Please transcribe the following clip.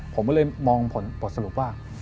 ผมก็เลยมองบทสรุปว่า